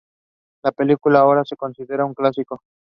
His parish was temporarily administered by Rev.